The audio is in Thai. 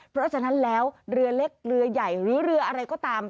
เพราะฉะนั้นแล้วเรือเล็กเรือใหญ่หรือเรืออะไรก็ตาม